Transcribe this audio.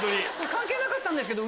関係なかったんですけど。